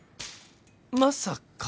まさか？